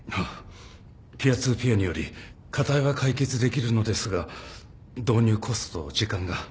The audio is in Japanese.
ピア・ツー・ピアにより課題は解決できるのですが導入コストと時間が。